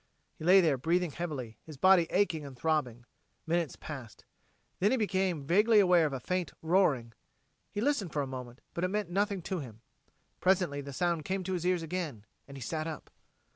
He lay there breathing heavily, his body aching and throbbing. Minutes passed. Then he became vaguely aware of a faint roaring. He listened for a moment, but it meant nothing to him. Presently the sound came to his ears again, and he sat up.